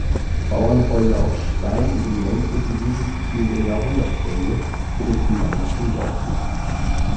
Bauernhäuser aus Stein und im ländlichen Jugendstil der Jahrhundertwende prägten danach den Dorfkern.